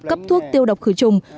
cấp thuốc tiêu độc khử trùng